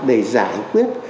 để giải quyết